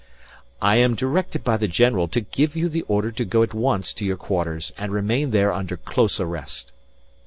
"I am directed by the general to give you the order to go at once to your quarters and remain there under close arrest."